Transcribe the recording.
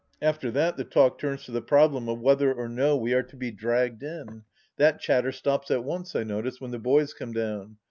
After that the talk turns to the problem of whether or no we are to be "dragged in." That chatter stops at once, I notice, when the boys come down.